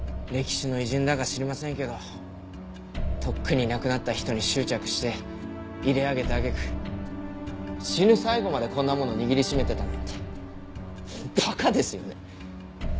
歴史の偉人だか知りませんけどとっくにいなくなった人に執着して入れあげた揚げ句死ぬ最後までこんなものを握りしめてたなんて馬鹿ですよね。